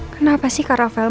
kenapa sih karafel